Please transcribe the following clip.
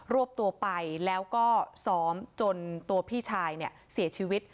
รวบตัวไปแล้วก็ซ้อมจนตัวพี่ชายเนี่ยเสียชีวิต